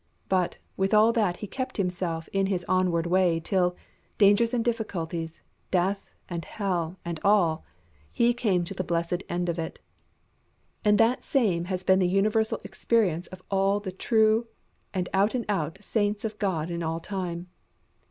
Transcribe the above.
But, with all that he kept himself in his onward way till, dangers and difficulties, death and hell and all, he came to the blessed end of it. And that same has been the universal experience of all the true and out and out saints of God in all time.